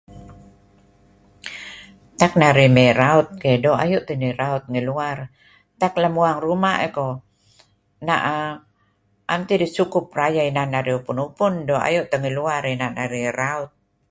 Tak narih mey raut keyh, doo' ayu' teh narih raut ngih luar. Tak lem uang ruma' iih ko' 'em tidih sukup rayeh inan narih upun-upun. Doo' Ayu' teh narih ngih luar inan narih raut.